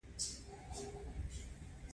د فزیک مطالعه د حیرانتیا لامل کېږي.